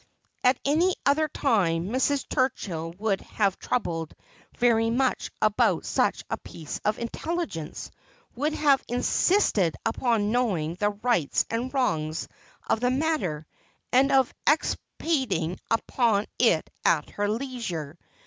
At any other time Mrs. Turchill would have troubled very much about such a piece of intelligence, would have insisted upon knowing the rights and wrongs of the matter, and of expa tiating upon it at her leisure.